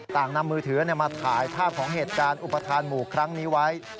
นำมือถือมาถ่ายภาพของเหตุการณ์อุปทานหมู่ครั้งนี้ไว้